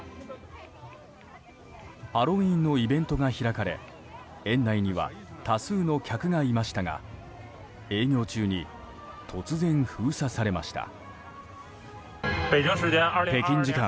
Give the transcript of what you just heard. ハロウィーンのイベントが開かれ園内には多数の客がいましたが営業中に突然、封鎖されました。